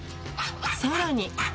さらに。